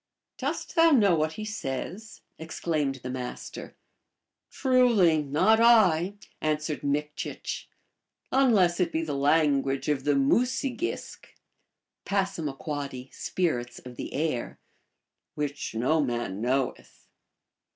* Dost thou know what he says ?" exclaimed the Mas /ter. " Truly, not I," answered Mikchich, " unless it be the language of the Mu se gisk (P., Spirits of the Air), which no man knoweth."